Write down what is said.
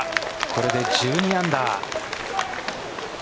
これで１２アンダー。